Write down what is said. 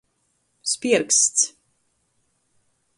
Spierksts.